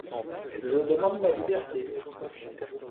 Je demande ma liberté.